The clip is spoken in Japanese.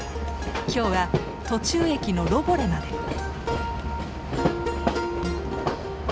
今日は途中駅のロボレまで。